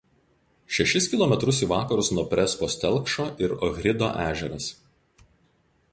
Šešis kilometrus į vakarus nuo Prespos telkšo ir Ohrido ežeras.